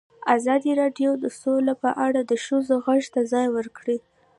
ازادي راډیو د سوله په اړه د ښځو غږ ته ځای ورکړی.